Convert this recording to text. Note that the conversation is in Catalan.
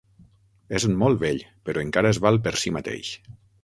És molt vell, però encara es val per si mateix.